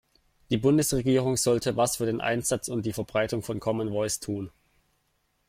Die Bundesregierung sollte was für den Einsatz und die Verbreitung von Common Voice tun.